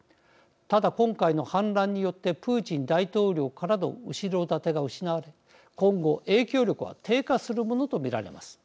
ただ、今回の反乱によってプーチン大統領からの後ろ盾が失われ、今後、影響力は低下するものと見られます。